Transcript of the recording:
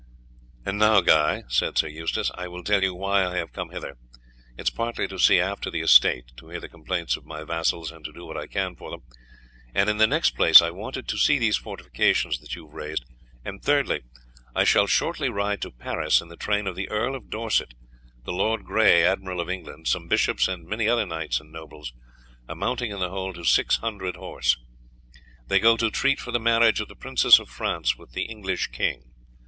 "And now, Guy," said Sir Eustace, "I will tell you why I have come hither. It is partly to see after the estate, to hear the complaints of my vassals and to do what I can for them, and in the next place I wanted to see these fortifications that you have raised, and, thirdly, I shall shortly ride to Paris in the train of the Earl of Dorset, the Lord Grey, Admiral of England, some bishops, and many other knights and nobles, amounting in the whole to 600 horse. They go to treat for the marriage of the princess of France with the English king.